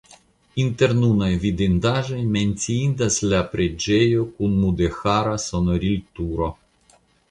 Inter nunaj vidindaĵoj menciindas la preĝejo kun mudeĥara sonorilturo.